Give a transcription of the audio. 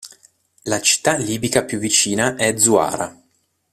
La città libica più vicina è Zuara.